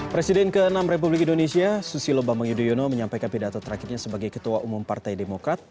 presiden ke enam republik indonesia susilo bambang yudhoyono menyampaikan pidato terakhirnya sebagai ketua umum partai demokrat